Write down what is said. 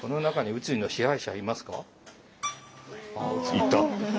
いた。